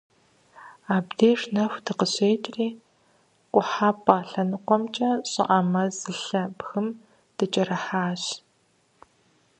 Абдеж нэху дыкъыщекIри, къухьэпIэ лъэныкъуэмкIэ щыIэ мэзылъэ бгым дыкIэрыхьащ.